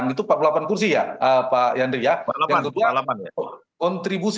itu empat puluh delapan kursi ya pak yandri ya pak